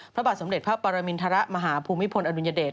พระบาทสมเด็จพระปรมินทรมาหาภูมิพลอดุลยเดช